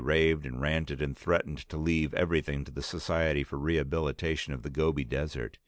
raved and ranted and threatened to leave everything to the Society for Rehabilitation of the Gobi Desert.